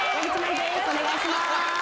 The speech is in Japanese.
お願いします。